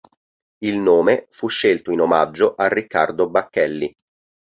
Il nome fu scelto in omaggio a Riccardo Bacchelli.